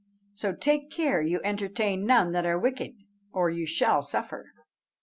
So take care you entertain none that are wicked, or you shall suffer."